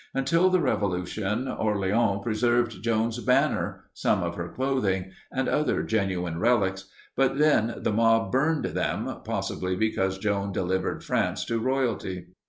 Until the revolution, Orleans preserved Joan's banner, some of her clothing, and other genuine relics; but then the mob burned them, probably because Joan delivered France to royalty.